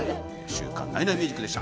『週刊ナイナイミュージック』でした。